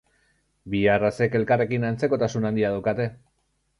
Bi arrazek elkarrekin antzekotasun handia daukate.